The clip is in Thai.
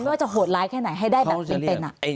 ว่าจะโหดร้ายแค่ไหนให้ได้แบบเป็น